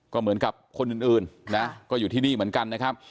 ก็เหมือนกับคนอื่นนะก็อยู่ที่นี่เหมือนกันนะครับ